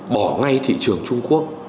bỏ ngay thị trường trung quốc